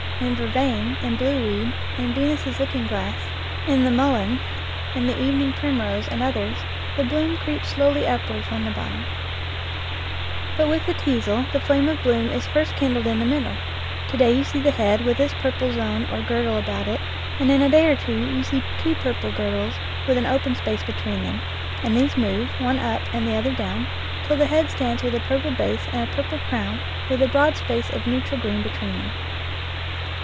In vervain, in blueweed, in Venus' looking glass, in the mullein, in the evening primrose, and others, the bloom creeps slowly upward from the bottom. 74 IN FIELD AND WOOD But with the teazel the flame of bloom is first kin dled in the middle; to day you see the head with this purple zone or girdle about it, and in a day or two you see two purple girdles with an open space be tween them, and these move, the one up and the other down, till the head stands with a purple base and a purple crown with a broad space of neutral green between them.